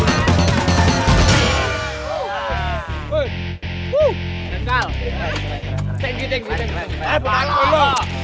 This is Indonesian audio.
ayo berangkat dulu